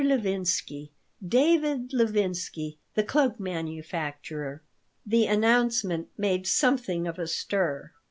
Levinsky, David Levinsky, the cloak manufacturer." The announcement made something of a stir. Mrs.